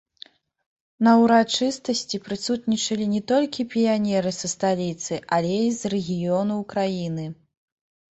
На ўрачыстасці прысутнічалі не толькі піянеры са сталіцы, але і з рэгіёнаў краіны.